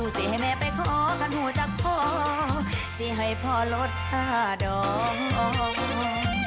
สิ่งให้พอลดผ้าดอง